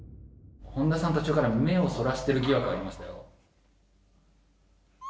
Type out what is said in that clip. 本田さん、途中から目をそらしてる疑惑ありましたよ。